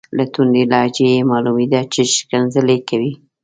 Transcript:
له توندې لهجې یې معلومیده چې ښکنځلې کوي.